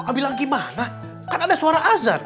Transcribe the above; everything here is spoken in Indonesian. wah bilang gimana kan ada suara azan